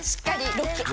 ロック！